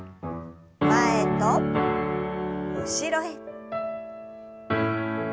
前と後ろへ。